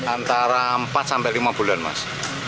antara empat sampai lima bulan mas